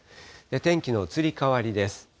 天気の移り変わりです。